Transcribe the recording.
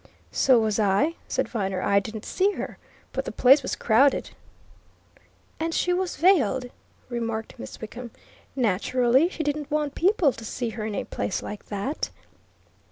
"So was I," said Viner. "I didn't see her. But the place was crowded." "And she was veiled," remarked Miss Wickham. "Naturally, she didn't want people to see her in a place like that."